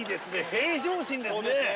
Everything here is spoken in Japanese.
平常心ですね。